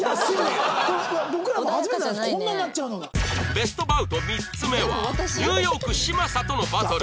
ベストバウト３つ目はニューヨーク嶋佐とのバトル